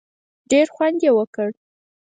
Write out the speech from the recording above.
ډېر خوند یې وکړ.